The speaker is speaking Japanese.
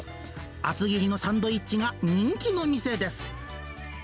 厚切りのサンドイッチが人気の店です。